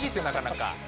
なかなか。